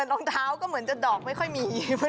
รองเท้าก็เหมือนจะดอกไม่ค่อยมี